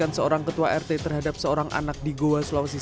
contoh angka panjang menerima terkait pen resignation dari malaysia